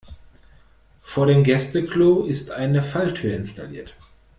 Vor dem Gäste-Klo ist eine Falltür installiert.